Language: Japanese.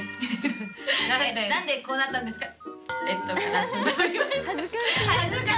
「何でこうなったんですか？」